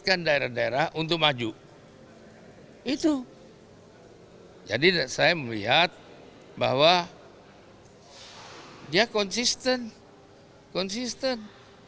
kan daerah daerah untuk maju itu jadi saya melihat bahwa dia konsisten konsisten